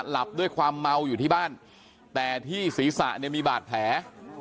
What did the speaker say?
หลับด้วยความเมาอยู่ที่บ้านแต่ที่ศีรษะเนี่ยมีบาดแผล